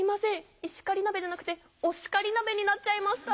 石狩鍋じゃなくてオシカリ鍋になっちゃいました。